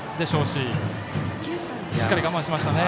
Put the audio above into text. しっかり我慢しましたね。